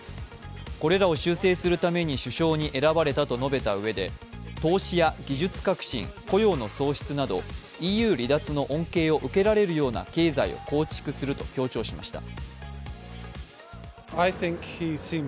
これらを修正するために首相に選ばれたと述べたうえで投資や技術革新、雇用の創出などＥＵ離脱の恩恵を受けられるような経済を構築すると強調しました。